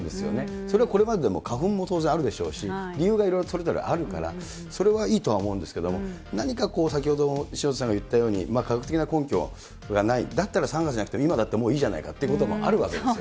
それはこれまででも、花粉も当然あるでしょうし、理由がいろいろそれぞれあるから、それはいいとは思うんですけど、何かこう、先ほども潮田さんが言ったように、科学的な根拠がない、だったら３月じゃなくて今だっていいじゃないかということもあるわけですよ